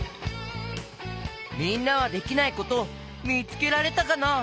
みんなはできないことみつけられたかな？